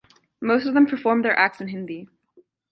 Most of them performed their acts in Hindi.